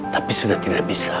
tapi sudah tidak bisa